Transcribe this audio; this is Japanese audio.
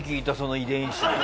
遺伝子？